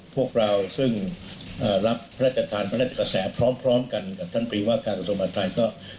พวกเราซึ่งรับพระราชจักรฐานกับพระราชกาแสพร้อมกันกับท่านปรีวาคากกสมภัยก็